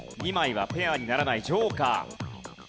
２枚はペアにならないジョーカー。